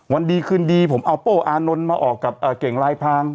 วันดีคืนดีผมเอาโป้อานนท์มาออกกับเก่งลายพาง